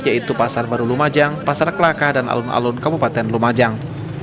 yaitu pasar baru lumajang pasar kelaka dan alun alun kabupaten lumajang